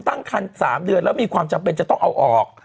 ตั้งคัน๓เดือนแล้วมีความจำเป็นจะต้องเอาออก